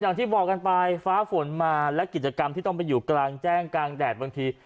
อย่างที่บอกกันไปฟ้าฝนมาและกิจกรรมที่ต้องไปอยู่กลางแจ้งกลางแดดบางที